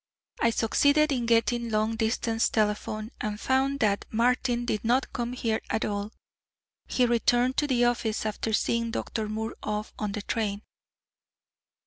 I succeeded in getting long distance telephone, and found that Martin did not come here at all. He returned to the office after seeing Dr. Moore off on the train."